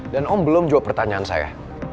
dan om belum jawab pertanyaan saya